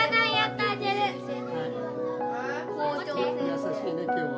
優しいね今日は。